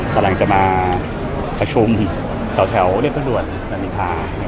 กำลังจะมาประชุมต่อแถวเรียบรับรวดนามีภาค